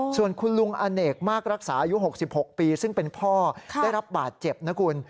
ส่วนคุณลุงอเนกมากรักษาอายุ๖๖ปีซึ่งเป็นพ่อได้รับบาดเจ็บนะคุณ